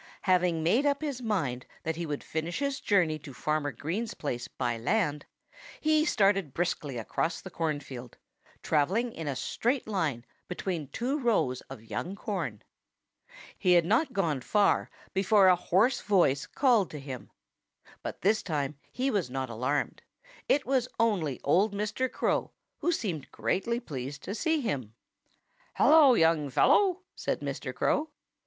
Having made up his mind that he would finish his journey to Farmer Green's place by land, he started briskly across the cornfield, travelling in a straight line between two rows of young corn. He had not gone far before a hoarse voice called to him. But this time he was not alarmed. It was only old Mr. Crow, who seemed greatly pleased to see him. "Hullo, young fellow!" said Mr. Crow.